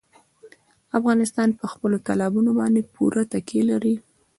افغانستان په خپلو تالابونو باندې پوره تکیه لري.